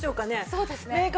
そうですね。